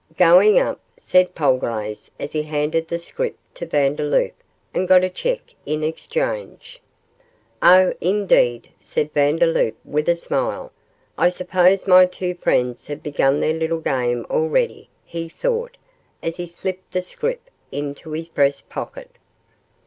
'Going up,' said Polglaze, as he handed the scrip to Vandeloup and got a cheque in exchange. 'Oh, indeed!' said Vandeloup, with a smile. 'I suppose my two friends have begun their little game already,' he thought, as he slipped the scrip into his breast pocket.